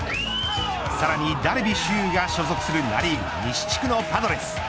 さらにダルビッシュ有が所属するナ・リーグ西地区のパドレス。